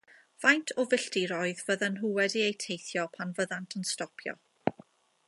Faint o filltiroedd fyddan nhw wedi eu teithio pan fyddant yn stopio?